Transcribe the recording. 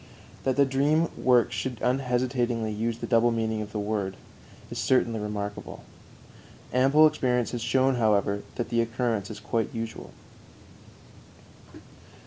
That the dream work should unhesitatingly use the double meaning of the word is certainly remarkable; ample experience has shown, however, that the occurrence is quite usual.